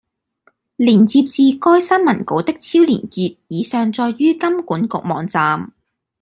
連接至該新聞稿的超連結已上載於金管局網站